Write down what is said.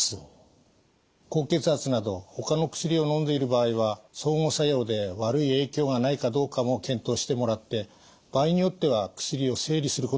高血圧などほかの薬をのんでいる場合は相互作用で悪い影響がないかどうかも検討してもらって場合によっては薬を整理することもあります。